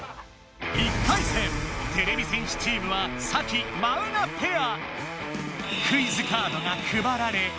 １回戦てれび戦士チームはサキ・マウナペア。